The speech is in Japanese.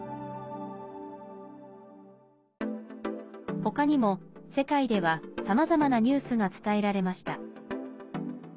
他にも世界ではさまざまなニュースが伝えられました。